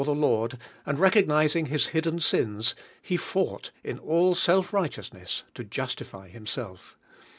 the lord, and recognising his hidden sins, lie fought in nil self righteousness to justiFy himself.